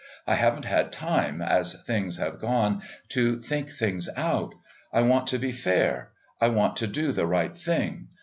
I haven't had time, as things have gone, to think things out. I want to be fair. I want to do the right thing.